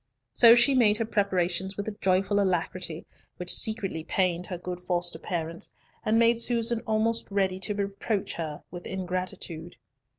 So she made her preparations with a joyful alacrity, which secretly pained her good foster parents, and made Susan almost ready to reproach her with ingratitude.